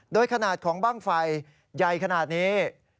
โดยขนาดของบ้างไฟใหญ่ขนาดนี้